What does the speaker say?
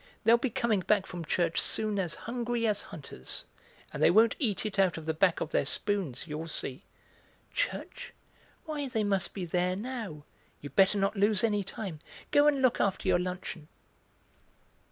They'll be coming back from church soon as hungry as hunters, and they won't eat it out of the back of their spoons, you'll see." "Church! why, they must be there now; you'd better not lose any time. Go and look after your luncheon."